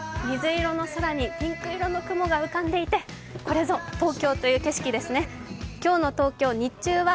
水色の空にピンク色の雲が浮かんでいてこれぞ東京という景色ですね。